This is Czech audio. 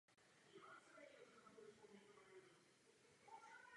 Trvale zde nežije žádný obyvatel.